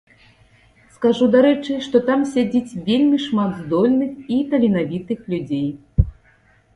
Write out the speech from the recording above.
Скажу, дарэчы, што там сядзіць вельмі шмат здольных і таленавітых людзей.